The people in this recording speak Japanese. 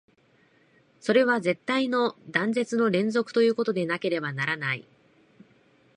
それは絶対の断絶の連続ということでなければならない。